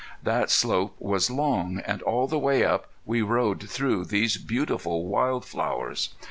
That slope was long, and all the way up we rode through these beautiful wild flowers.